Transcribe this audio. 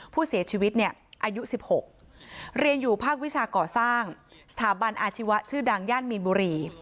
ผู้เสียชีวิตเนี่ยอายุ๑๖เรียนอยู่ภาควิชาก่อสร้างสถาบันอาชีวะชื่อดังย่านมีนบุรี